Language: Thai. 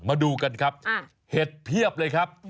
มาดูกันครับเห็ดเพียบเลยครับ